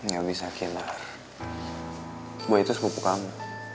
gak bisa kinar gue itu sepupu kamu